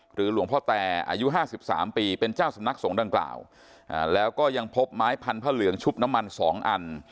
หลวงพ่อแตอายุห้าสิบสามปีเป็นเจ้าสำนักสงฆ์ดังกล่าวแล้วก็ยังพบไม้พันผ้าเหลืองชุบน้ำมัน๒อัน